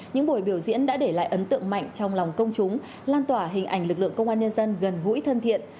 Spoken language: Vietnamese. những buổi biểu diễn đã để lại ấn tượng mạnh trong lòng công chúng lan tỏa hình ảnh lực lượng công an nhân dân gần gũi thân thiện